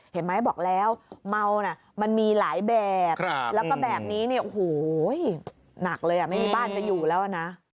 เห็นไหมบอกแล้วเมาน่ะมันมีหลายแบบแล้วก็แบบนี้เนี่ยโอ้โหหนักเลยไม่มีบ้านจะอยู่แล้วนะ